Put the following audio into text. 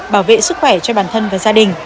bảo vệ sức khỏe cho bản thân và gia đình